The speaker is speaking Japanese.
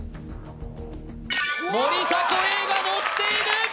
森迫永依が乗っている！